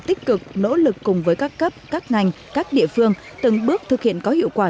tích cực nỗ lực cùng với các cấp các ngành các địa phương từng bước thực hiện có hiệu quả